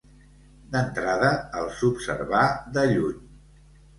D'entrada, els observà de lluny.